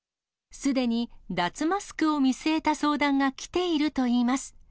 すでに脱マスクを見据えた相談が来ているといいます。